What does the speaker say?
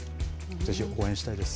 ぜひ応援したいです。